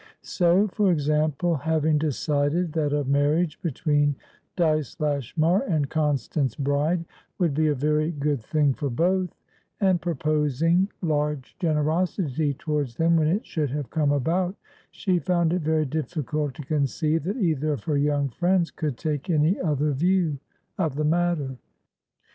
So, for example, having decided that a marriage between Dyce Lashmar and Constance Bride would be a very good thing for both, and purposing large generosity towards them when it should have come about, she found it very difficult to conceive that either of her young friends could take any other view of the matter.